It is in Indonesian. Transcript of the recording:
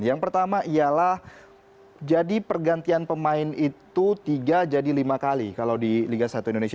yang pertama ialah jadi pergantian pemain itu tiga jadi lima kali kalau di liga satu indonesia